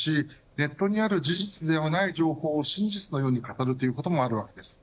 ネットにある事実ではない情報を真実のように語るということもあります。